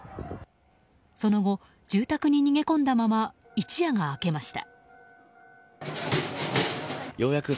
その後、住宅に逃げ込んだまま一夜が明けました。